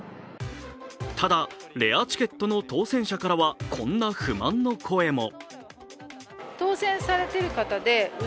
ただ、レアチケットの当選者からはこんな不満の声も。